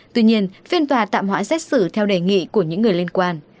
tuy nhiên phiên tòa tạm hoãn xét xử theo đề nghị của những người liên quan